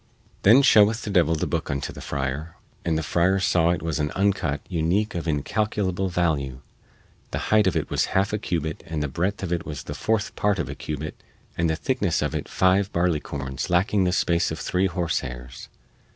Then shewed the devil the booke unto the friar, and the friar saw it was an uncut unique of incalculable value; the height of it was half a cubit and the breadth of it the fourth part of a cubit and the thickness of it five barleycorns lacking the space of three horsehairs.